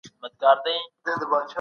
د بل چا زړه مه ماتوئ.